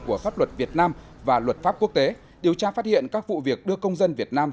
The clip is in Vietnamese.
của pháp luật việt nam và luật pháp quốc tế điều tra phát hiện các vụ việc đưa công dân việt nam